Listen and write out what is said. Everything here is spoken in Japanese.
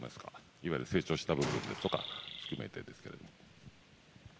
いわゆる成長した部分ですとかを含めてですけど。